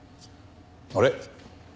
あれ？